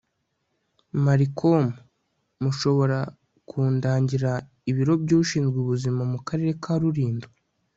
malcolm mushobora kundangira ibiro by'ushinzwe ubuzima mu karere ka rulindo